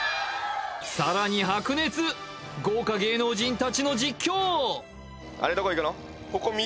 さらに白熱豪華芸能人達の実況！